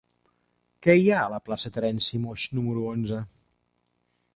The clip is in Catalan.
Què hi ha a la plaça de Terenci Moix número onze?